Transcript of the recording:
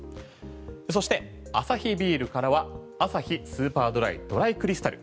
そしてアサヒビールからはアサヒスーパードライドライクリスタル。